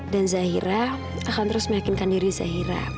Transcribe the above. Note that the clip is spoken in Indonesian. dan zaira akan terus meyakinkan diri zaira